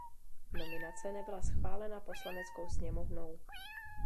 Nominace nebyla schválena Poslaneckou sněmovnou.